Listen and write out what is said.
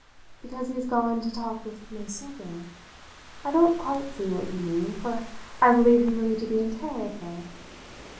"Because he has gone to talk with May Server? I don't quite see what you mean, for I believe him really to be in terror of her.